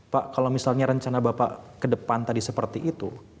pak kalau misalnya rencana bapak ke depan tadi seperti itu